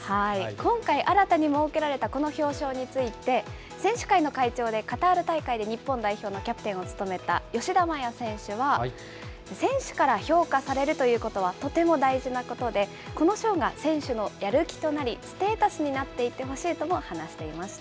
今回新たに設けられたこの表彰について、選手会の会長で、カタール大会で日本代表のキャプテンを務めた吉田麻也選手は、選手から評価されるということはとても大事なことで、この賞が選手のやる気となり、ステータスになっていってほしいとも話していました。